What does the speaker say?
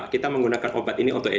kita menggunakan obat ini untuk